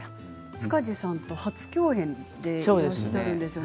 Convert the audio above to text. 塚地さんと初共演でいらっしゃるんですよね。